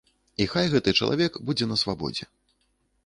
І хай гэты чалавек будзе на свабодзе.